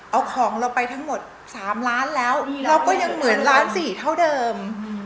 เอาของเราไปทั้งหมด๓ล้านแล้วเราก็ยังเหมือนล้านสี่เท่าเดิม